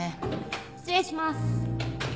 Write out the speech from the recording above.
失礼します。